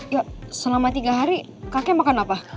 yuk selama tiga hari kakek makan apa